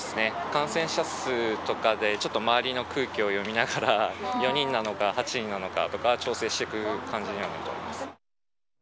感染者数とかで、ちょっと周りの空気を読みながら、４人なのか８人なのかとか、調整してく感じにはなると思います。